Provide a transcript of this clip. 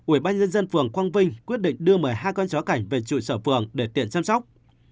ủy ban dân dân phường quang vinh quyết định đưa mời hai con chó cảnh về trụ sở phường để tiện chăm sóc